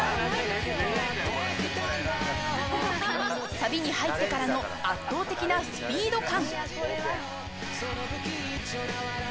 サビに入ってからの圧倒的なスピード感。